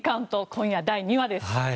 今夜、第２話です。